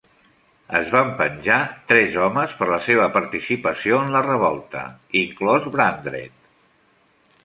Es van penjar tres homes per la seva participació en la revolta, inclòs Brandreth.